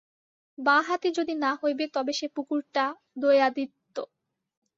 বাঁ-হাতি যদি না হইবে তবে সে পুকুরটা– উদয়াদিত্য।